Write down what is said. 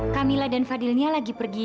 kamila dan fadilnya lagi pergi